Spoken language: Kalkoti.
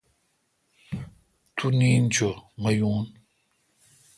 تو نیند چو مہ یون۔